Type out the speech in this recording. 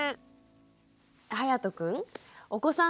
はやとくん